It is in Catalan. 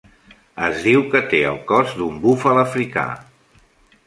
Es diu que té el cos d'un búfal africà.